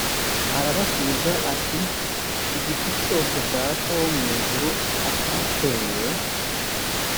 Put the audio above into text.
arabasubiza ati igiti cyose data wo mu ijuru atateye